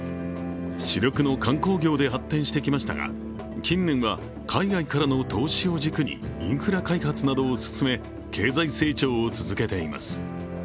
主力の観光業で発展してきましたが、近年は海外からの投資を軸にインフラ開発などを進め、経済成長を続けています。